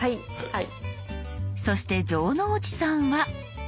そして城之内さんは。